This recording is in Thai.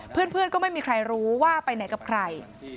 เพื่อนก็ไม่มีใครรู้ว่าไปไหนกับใคร